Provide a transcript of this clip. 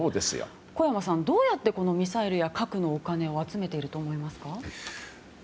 小山さん、どうやってこのミサイルや核のお金を集めていると思いますか？